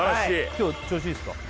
今日調子いいですか？